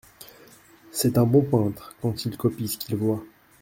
C'est un bon peintre quand il copie ce qu'il voit.